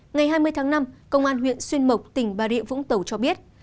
ngày hai mươi tháng năm công an huyện xuyên mộc tỉnh bà rịa vũng tàu cho biết